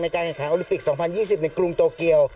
ในการแข่งขังโอลิปิกสองพันยี่สิบในกรุงโตเกียว